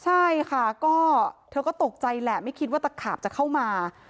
ใช่ค่ะก็เธอก็ตกใจแหละไม่คิดว่าตะขาบจะเข้ามา